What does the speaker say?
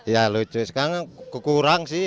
ya lucu sekarang kekurang sih